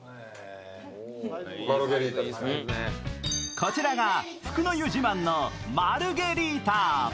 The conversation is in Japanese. こちらが福の湯自慢のマルゲリータ。